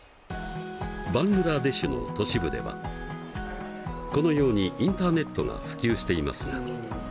バングラデシュの都市部ではこのようにインターネットが普及していますが。